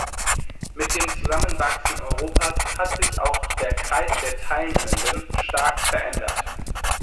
Mit dem Zusammenwachsen Europas hat sich auch der Kreis der Teilnehmenden stark verändert.